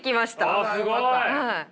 あすごい！